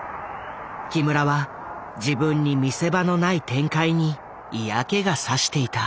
木村は自分に見せ場のない展開に嫌気が差していた。